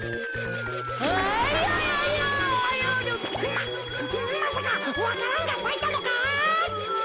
ままさかわか蘭がさいたのか？